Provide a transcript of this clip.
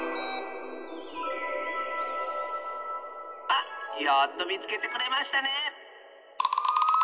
あっやっとみつけてくれましたね！